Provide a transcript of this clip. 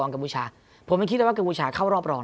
กระบูชาผมคิดได้ว่ากระบูชาเข้ารอบรอง